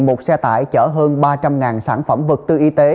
một xe tải chở hơn ba trăm linh sản phẩm vật tư y tế